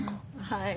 はい。